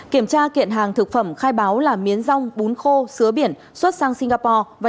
kiểm tra kiện hàng thực phẩm khai báo là miến rong bún khô sứa biển xuất sang singapore